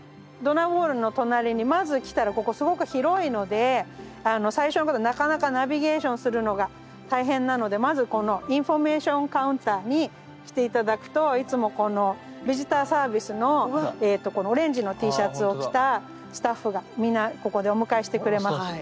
ドナーウォールの隣にまず来たらここすごく広いので最初のなかなかナビゲーションするのが大変なのでまずこのインフォメーションカウンターに来て頂くといつもこのビジターサービスのこのオレンジのＴシャツを着たスタッフが皆ここでお迎えしてくれます。